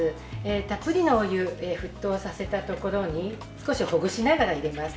たっぷりのお湯沸騰させたところに少しほぐしながら入れます。